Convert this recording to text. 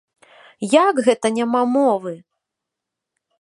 Як гэта няма мовы?!